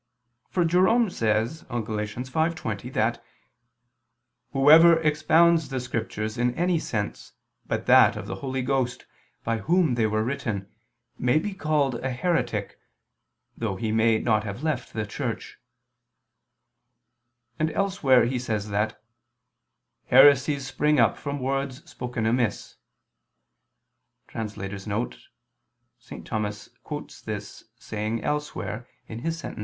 For Jerome says on Gal. 5:20 that "whoever expounds the Scriptures in any sense but that of the Holy Ghost by Whom they were written, may be called a heretic, though he may not have left the Church": and elsewhere he says that "heresies spring up from words spoken amiss." [*St. Thomas quotes this saying elsewhere, in Sent.